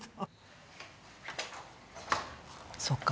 そっか。